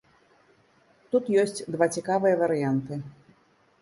Тут ёсць два цікавыя варыянты.